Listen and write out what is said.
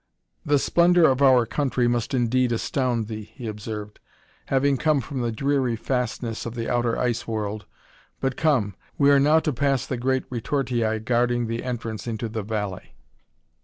"The splendor of our country must indeed astound thee," he observed, "having come from the dreary fastness of the outer Ice World. But come; we are now to pass the great retortii guarding the entrance into the valley."